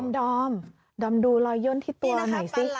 ดอมดูรอยย่นที่ตัวหน่อยซิ